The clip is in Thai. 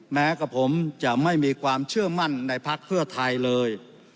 แม้กับผมจะไม่มีความเชื่อมั่นในพักเพื่อไทยเลย